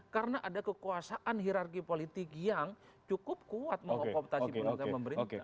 karena ada kekuasaan hirarki politik yang cukup kuat mengokoptasi program pemerintah